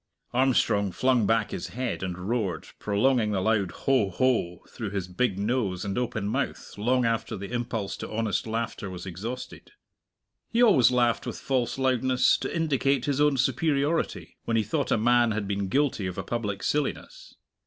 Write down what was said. Armstrong flung back his head and roared, prolonging the loud ho ho! through his big nose and open mouth long after the impulse to honest laughter was exhausted. He always laughed with false loudness, to indicate his own superiority, when he thought a man had been guilty of a public silliness.